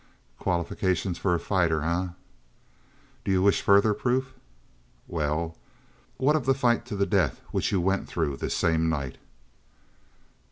"Qualifications for a fighter, eh?" "Do you wish further proof?" "Well?" "What of the fight to the death which you went through this same night?"